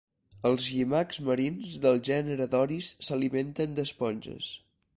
Els llimacs marins del gènere Doris s'alimenten d'esponges.